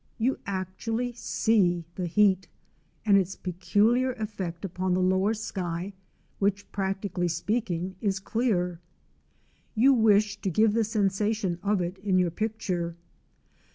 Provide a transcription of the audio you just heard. You actually see the heat, and its peculiar effect upon the lower sky, which, practically speaking, is clear. You wish to give the sensation of it in your picture.